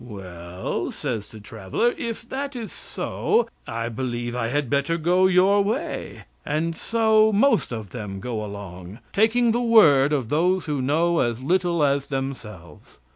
"Well," says the traveler, "if that is so, I believe I had better go your way." And so most of them go along, taking the word of those who know as little as themselves.